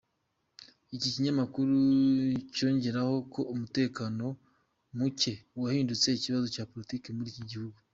Iki kinyamakuru cyongeraho ko umutekano mucye wahindutse ikibazo cya politiki muri iki gihugu.